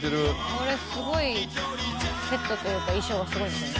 これすごいセットというか衣装がすごいですよね。